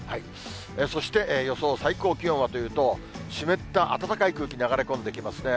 そして、予想最高気温はというと、湿った暖かい空気流れ込んできますね。